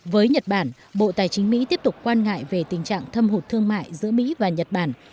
với nhật bản bộ tài chính mỹ tiếp tục quan ngại về tình trạng thâm hụt thương mại giữa mỹ và nhật bản